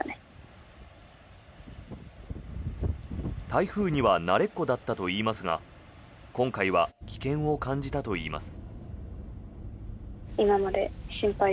台風には慣れっこだったといいますが今回は危険を感じたといいます。